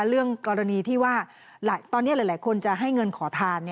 เรื่องกรณีที่ว่าตอนนี้หลายคนจะให้เงินขอทาน